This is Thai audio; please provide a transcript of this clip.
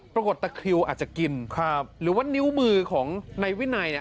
ตะคริวอาจจะกินครับหรือว่านิ้วมือของนายวินัยเนี่ย